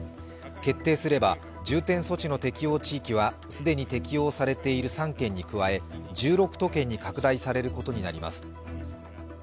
決定すれば重点措置の適用地域は既に適用されている３県に加え１６都県に拡大されることになります。